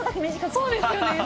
そうですよね。